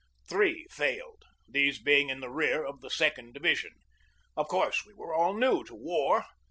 Three failed, these being in the rear of the second division. Of course we were all new to war.